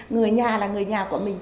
người nhà là người nhà của mình